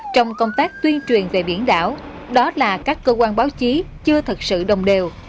trong công tác tuyên truyền về biển đảo đó là các cơ quan báo chí chưa thật sự đồng đều